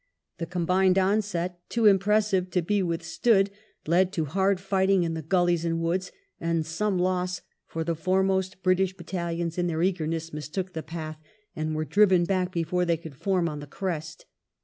The combined onset, too impressive to be V THE BATTLE OF ROLiqA 99 withstood, led to bard fighting in the gullies and woods, and some loss, for the foremost British battalions in their eagerness mistook the path, and were driven back before they could form on the crest.